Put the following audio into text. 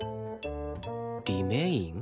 「リメイン」？